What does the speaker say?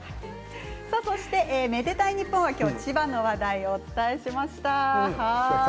「愛でたいｎｉｐｐｏｎ」は千葉の話題をお伝えしました。